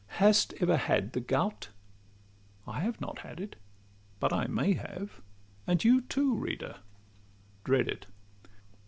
Hast ever had the gout? I have not had it— But I may have, and you too, reader, dread it.